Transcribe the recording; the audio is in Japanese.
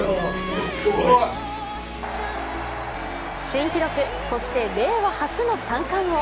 新記録、そして令和初の三冠王。